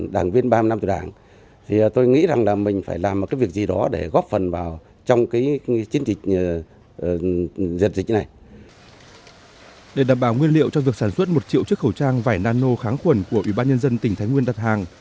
để đảm bảo nguyên liệu cho việc sản xuất một triệu chiếc khẩu trang vải nano kháng khuẩn của ủy ban nhân dân tỉnh thái nguyên đặt hàng